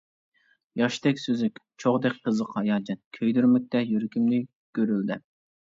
ياشتەك سۈزۈك، چوغدەك قىزىق ھاياجان، كۆيدۈرمەكتە يۈرىكىمنى گۈرۈلدەپ.